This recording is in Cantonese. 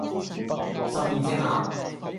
十二隻鴨